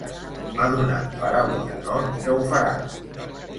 M'ha donat paraula d'honor que ho farà.